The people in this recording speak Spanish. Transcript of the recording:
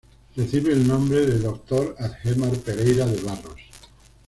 Recibe el nombre de Dr. Adhemar Pereira de Barros.